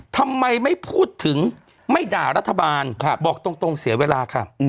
ทำไมไม่พูดถึงไม่ด่ารัฐบาลบอกตรงเสียเวลาค่ะ